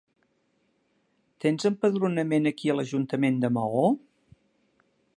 Tens empadronament aquí a l'ajuntament de Maó?